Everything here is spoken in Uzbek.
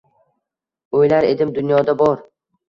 O’ylar edim dunyoda bor